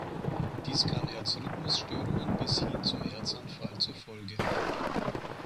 Dies kann Herzrhythmusstörungen bis hin zum Herzanfall zur Folge haben.